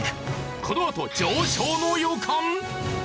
このあと上昇の予感？